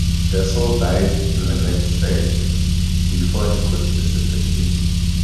Desault died the next day, before he could visit the King.